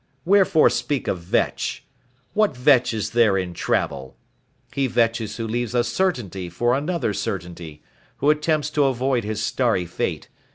Wherefore speak of vetch? What vetch is there in travel? He vetches who leaves a certainty for another certainty, who attempts to avoid his starry fate.